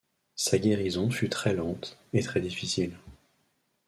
Sa guérison fut très-lente et très difficile.